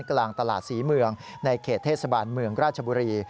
กลางตลาดศรีเมืองในเขตเทศบาลเมืองราชบุรี